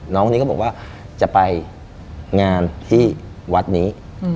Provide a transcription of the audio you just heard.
น้องคนนี้ก็บอกว่าจะไปงานที่วัดนี้